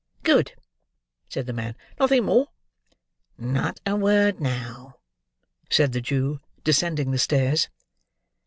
"Good!" said the man. "Nothing more?" "Not a word now," said the Jew, descending the stairs.